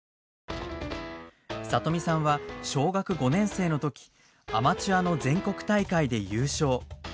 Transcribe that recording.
里見さんは小学５年生の時アマチュアの全国大会で優勝。